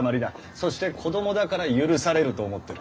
そして子供だから許されると思ってる。